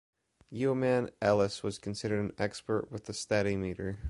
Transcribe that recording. Yeoman Ellis was considered an expert with the stadimeter.